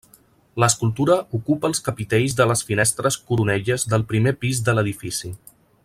L'escultura ocupa els capitells de les finestres coronelles del primer pis de l'edifici.